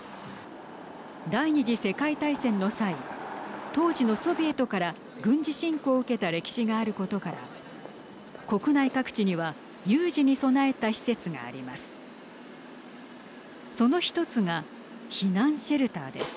第２次世界大戦の際当時のソビエトから軍事侵攻を受けた歴史があることから国内各地には有事に備えた施設があります。